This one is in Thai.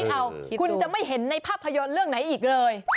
เอาคุณจะไม่เห็นในภาพยนตร์เรื่องไหนอีกเลย